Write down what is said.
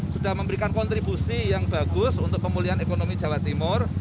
sudah memberikan kontribusi yang bagus untuk pemulihan ekonomi jawa timur